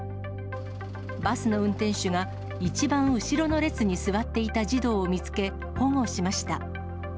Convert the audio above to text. バスの運転手が一番後ろの列に座っていた児童を見つけ、保護しました。